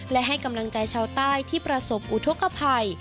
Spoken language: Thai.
และให้กำลังใจชาวใต้ที่ประสบอุทธกภัย